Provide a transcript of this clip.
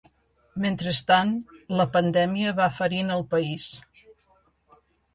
Mentrestant, la pandèmia va ferint el país.